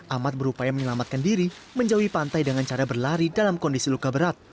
ahmad berupaya menyelamatkan diri menjauhi pantai dengan cara berlari dalam kondisi luka berat